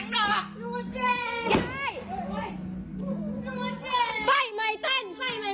ฝ่ายไม้เต้น